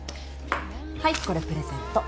はいこれプレゼント。